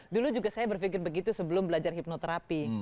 dulu juga saya berpikir begitu sebelum belajar hipnoterapi